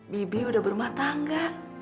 bibi udah bermatangga